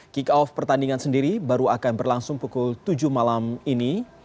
kick off pertandingan sendiri baru akan berlangsung pukul tujuh malam ini